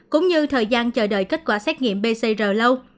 cũng như thời gian chờ đợi kết quả xét nghiệm pcr lâu